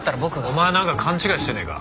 お前なんか勘違いしてねえか？